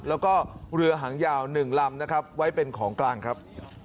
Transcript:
แล้วก็เรือหางยาว๑ลำนะครับไว้เป็นของกลางครับ